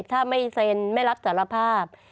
ถ้าไม่เซ็นไม่รับสารภาพ